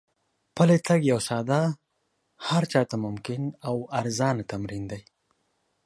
پلی تګ یو ساده، هر چا ته ممکن او ارزانه تمرین دی.